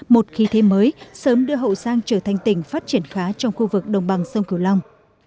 một khí thế mới sớm đưa hậu giang trở thành tỉnh phát triển khá trong khu vực đồng bằng sông cửu long